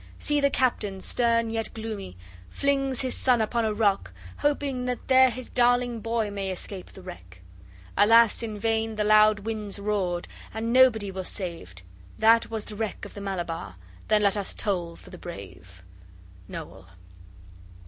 See the captain stern yet gloomy Flings his son upon a rock, Hoping that there his darling boy May escape the wreck. Alas in vain the loud winds roared And nobody was saved. That was the wreck of the Malabar, Then let us toll for the brave. NOEL.